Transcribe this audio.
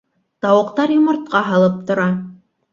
Тауыҡтар йомортҡа һалып тора.